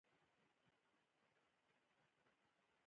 دوی لپاره کاري چوکاټ جوړ کړی دی.